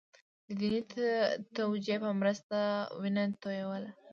د دیني توجیه په مرسته وینه تویول.